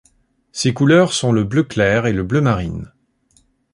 Ses couleurs sont le bleu clair et le bleu marine.